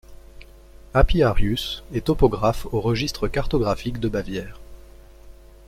Apiarius est topographe au Registre cartographique de Bavière.